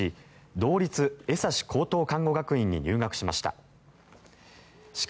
道立江差高等看護学院に入学しました。